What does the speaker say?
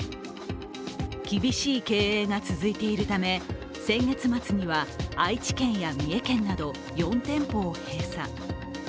厳しい経営が続いているため、先月末には愛知県や三重県など４店舗を閉鎖。